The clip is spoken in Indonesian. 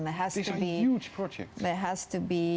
dan itu juga membuat